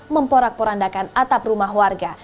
memporak porandakan atap rumah warga